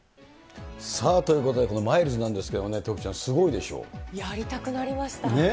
さあ、ということで、このマイルズなんですけれどもね、徳ちゃん、やりたくなりました。